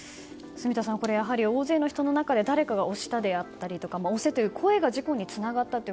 住田さん、大勢の人の中で誰かが押したであったり押せという声が事故につながったと。